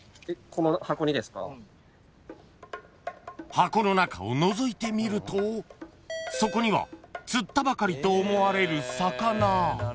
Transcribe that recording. ［箱の中をのぞいてみるとそこには釣ったばかりと思われる魚］